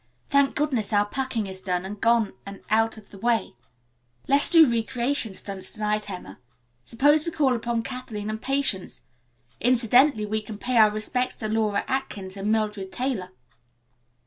"Thank goodness our packing is done and gone and out of the way. Let's do recreation stunts to night, Emma. Suppose we call upon Kathleen and Patience. Incidentally we can pay our respects to Laura Atkins and Mildred Taylor.